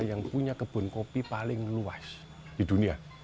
yang punya kebun kopi paling luas di dunia